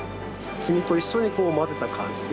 黄身と一緒に混ぜた感じで。